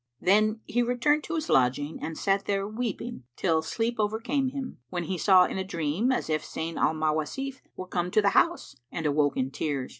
'" Then he returned to his lodging and sat there weeping, till sleep overcame him, when he saw in a dream as if Zayn al Mawasif were come to the house, and awoke in tears.